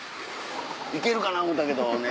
行けるかな思うたけどね。